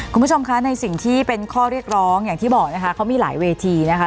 คุณผู้ชมคะในสิ่งที่เป็นข้อเรียกร้องอย่างที่บอกนะคะเขามีหลายเวทีนะคะ